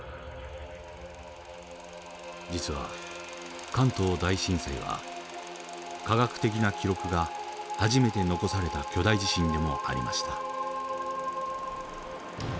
実は関東大震災は科学的な記録が初めて残された巨大地震でもありました。